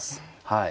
はい。